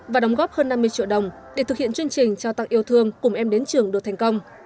và đóng góp hơn năm mươi triệu đồng để thực hiện chương trình trao tặng yêu thương cùng em đến trường được thành công